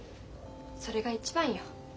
それが一番よ。